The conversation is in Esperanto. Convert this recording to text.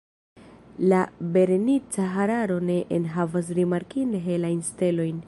La Berenica Hararo ne enhavas rimarkinde helajn stelojn.